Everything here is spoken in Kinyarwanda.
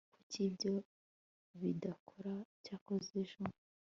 kuki ibyo bidakora? cyakoze ejo